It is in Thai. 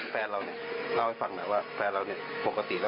พึ่งแต่งงานกันเมื่อไหร่